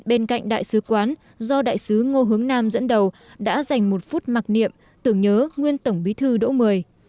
bên cạnh đại sứ quán do đại sứ ngô hướng nam dẫn đầu đã dành một phút mặc niệm tưởng nhớ nguyên tổng bí thư đỗ mười